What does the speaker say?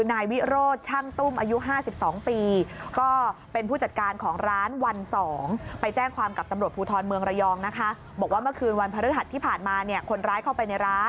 นายวิโรธช่างตุ้มอายุ๕๒ปี